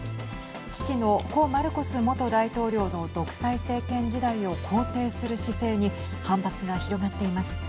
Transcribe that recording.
父の故マルコス元大統領の独裁政権時代を肯定する姿勢に反発が広がっています。